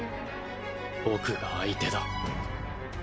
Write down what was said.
僕が相手だ。